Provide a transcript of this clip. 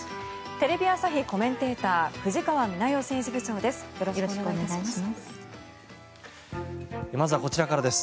テレビ朝日コメンテーター藤川みな代政治部長です。